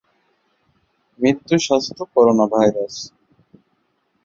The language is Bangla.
মৃত্যুস্বাস্থ্যকরোনাভাইরাস